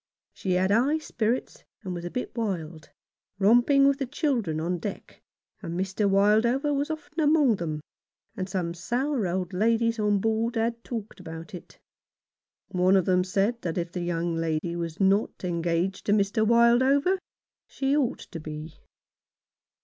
She had high spirits, and was a bit wild, romping with the children on deck, and Mr. Wildover was often among them, and some sour old ladies on board had talked about it. One of them said that if the young lady was not engaged to Mr. Wildover she ought to be.